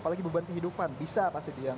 apalagi beban kehidupan bisa pak setian